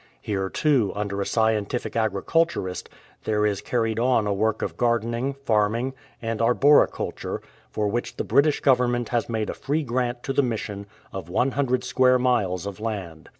Here, too, under a scientific agriculturist, there is carried on a work of gardening, farming, and arbori culture, for which the British Government has made a free grant to the Mission of one hundred square miles of land.